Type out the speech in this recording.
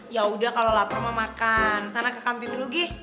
yaudah kalo lapar mau makan sana ke kantin dulu gi